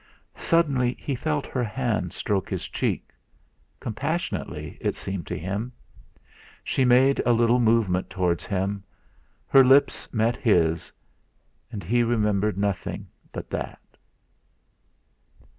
Suddenly he felt her hand stroke his cheek compassionately, it seemed to him. She made a little movement towards him; her lips met his, and he remembered nothing but that....